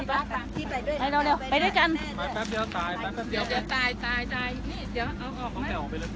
สวัสดีครับคุณพลาด